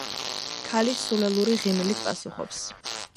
ქალი სულელური ღიმილით პასუხობს.